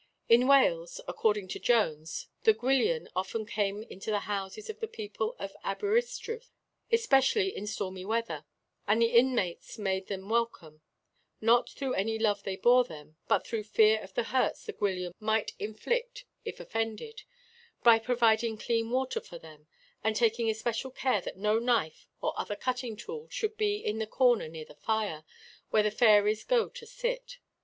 In Wales, according to Jones, the Gwyllion often came into the houses of the people at Aberystruth, especially in stormy weather, and the inmates made them welcome not through any love they bore them, but through fear of the hurts the Gwyllion might inflict if offended by providing clean water for them, and taking especial care that no knife, or other cutting tool, should be in the corner near the fire, where the fairies would go to sit.